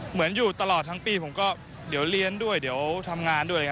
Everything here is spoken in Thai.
อยู่ตลอดทั้งปีผมก็เดี๋ยวเรียนด้วยเดี๋ยวทำงานด้วย